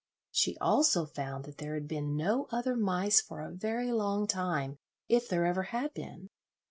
She also found that there had been no other mice for a very long time, if there ever had been.